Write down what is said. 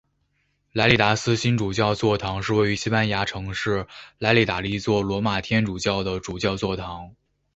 莱里达新主教座堂是位于西班牙城市莱里达的一座罗马天主教的主教座堂。